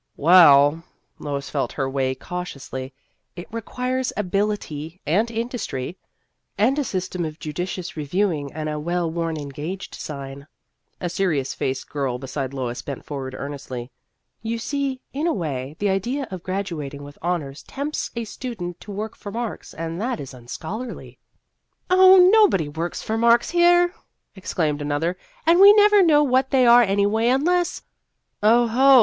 " Well," Lois felt her way cautiously, " it requires ability and industry " And a system of judicious reviewing and a well worn ' Engaged ' sign." A serious faced girl beside Lois bent The History of an Ambition 4 1 forward earnestly. " You see, in a way, the idea of graduating with honors tempts a student to work for marks, and that is unscholarly." " Oh, nobody works for marks here," exclaimed another, " and we never know what they are anyway, unless " Oho